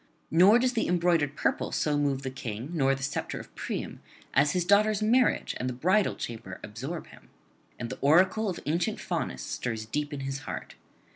Nor does the embroidered purple so move the King, nor the sceptre of Priam, as his daughter's marriage and the bridal chamber absorb him, and the oracle of ancient Faunus stirs deep in his heart.